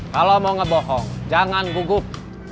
kalau mau ngebohong jangan gugup